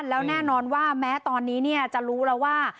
แล้วแน่นอนว่าแม้ตอนนี้จะรู้แล้วว่า